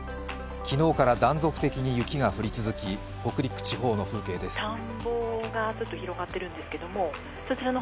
昨日から断続的に雪が降り続き北陸地方の風景です。